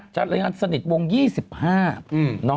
จัดลานสนิทวงศ์๒๕บาท